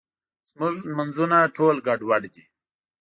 زموږ مونځونه ټول ګډوډ دي.